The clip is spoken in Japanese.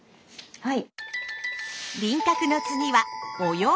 はい。